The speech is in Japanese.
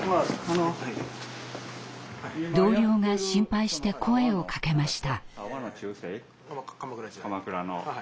同僚が心配して声をかけました。